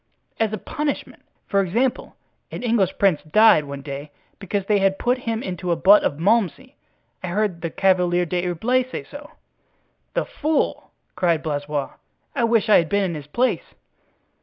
"As a punishment. For example, an English prince died one day because they had put him into a butt of Malmsey. I heard the Chevalier d'Herblay say so." "The fool!" cried Blaisois, "I wish I had been in his place."